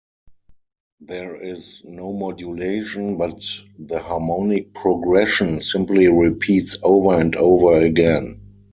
There is no modulation, but the harmonic progression simply repeats over and over again.